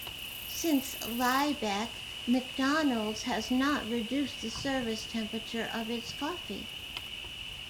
Since "Liebeck", McDonald's has not reduced the service temperature of its coffee.